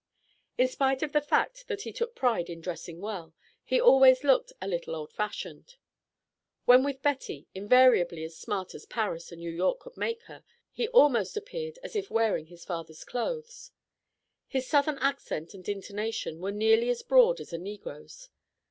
In spite of the fact that he took pride in dressing well, he always looked a little old fashioned. When with Betty, invariably as smart as Paris and New York could make her, he almost appeared as if wearing his father's old clothes. His Southern accent and intonation were nearly as broad as a negro's.